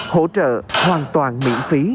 hỗ trợ hoàn toàn miễn phí